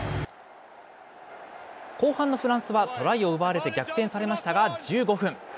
後半のフランスはトライを奪われて逆転されましたが、１５分。